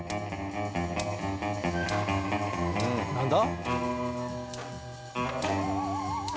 何だ？